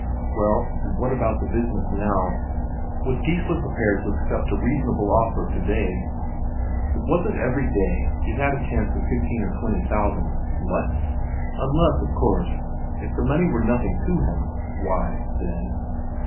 Well, and what about the business now? Was Geissler prepared to accept a reasonable offer today? It wasn't every day he had a chance of fifteen or twenty thousand what? Unless, of course.... If the money were nothing to him, why, then....